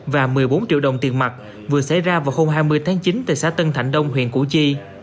và một mươi bốn triệu đồng tiền mặt vừa xảy ra vào hôm hai mươi tháng chín tại xã tân thạnh đông huyện củ chi